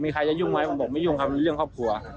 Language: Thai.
ครับ